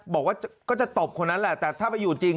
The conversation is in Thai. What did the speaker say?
บอกว่าก็จะตบคนนั้นแหละแต่ถ้าไปอยู่จริง